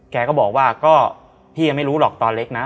แกก็บอกว่าก็พี่ยังไม่รู้หรอกตอนเล็กนะ